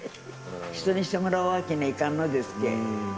人にしてもらうわけにはいかんのですけえ。